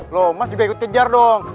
loh mas juga ikut kejar dong